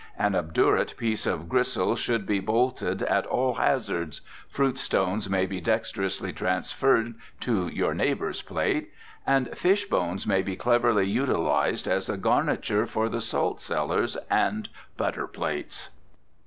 An obdurate piece of gristle should be bolted at all hazards, fruit stones may be dexterously transferred to your neighbor's plate, and fish bones may be cleverly utilized as a garniture for the salt cellars and butter plates.